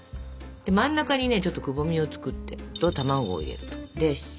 で真ん中にねちょっとくぼみを作って卵を入れると。